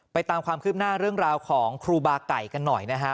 ตามความคืบหน้าเรื่องราวของครูบาไก่กันหน่อยนะฮะ